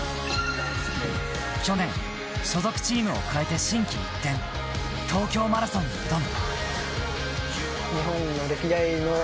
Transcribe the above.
去年、所属チームを変えて心機一転東京マラソンに挑む。